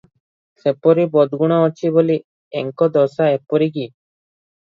ସେପରି ବଦ୍ଗୁଣ ଅଛି ବୋଲି ଏଙ୍କ ଦଶା ଏପରି କି?